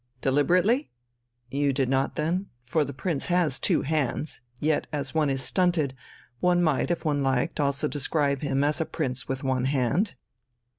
"Deliberately?" "You did not, then?... For the Prince has two hands, yet as one is stunted, one might if one liked also describe him as a prince with one hand."